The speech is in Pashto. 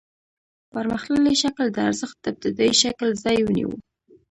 پرمختللي شکل د ارزښت د ابتدايي شکل ځای ونیو